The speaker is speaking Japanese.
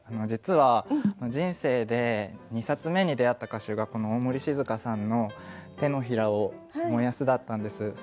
実は人生で２冊目に出会った歌集がこの大森静佳さんの「てのひらを燃やす」だったんです。